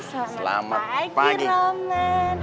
selamat pagi roman